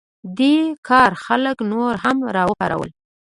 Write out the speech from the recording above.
دې کار خلک نور هم راوپارول.